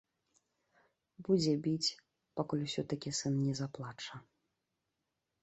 Будзе біць, пакуль усё-такі сын не заплача.